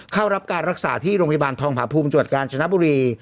เข้ารับการรักษาที่โรงพยาบาลทองผาภูมิจังหวัดกาญจนบุรี